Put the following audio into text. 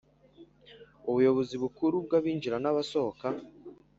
ubuyobozi bukuru bw’abinjira n’abasohoka